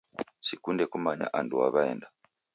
Sikunde kumanya andu waenda.